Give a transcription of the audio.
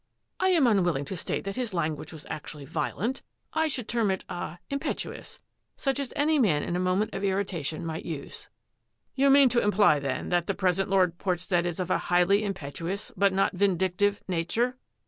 " I am unwilling to state that his language was actually violent. I should term it — ah — impet uous, such as any man in a moment of irritation might use." " You mean to imply then that the present Lord Portstead is of a highly impetuous, but not vin dictive, nature?